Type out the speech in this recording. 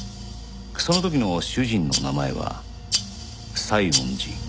その時の主人の名前は西園寺清。